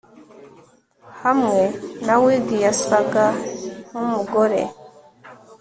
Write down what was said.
Hamwe na wig yasaga nkumugore